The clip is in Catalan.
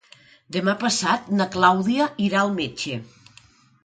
Demà passat na Clàudia irà al metge.